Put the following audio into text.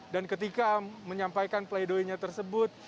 dan ketika menyampaikan pleidoinya tersebut